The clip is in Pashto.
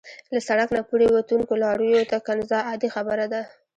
له سړک نه پورې وتونکو لارویو ته کنځا عادي خبره ده.